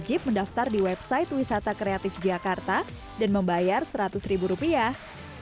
anda harus mendaftar di website wisata kreatif jakarta dan membayar seratus rupiah